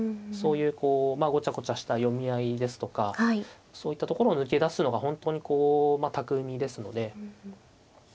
そういうこうまあごちゃごちゃした読み合いですとかそういったところを抜け出すのが本当にこう巧みですので。